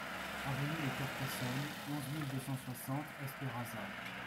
Avenue de Carcassonne, onze mille deux cent soixante Espéraza